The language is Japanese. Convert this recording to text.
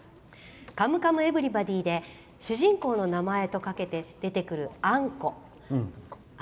「カムカムエヴリバディ」で主人公の名前とかけて出てくるあんこ。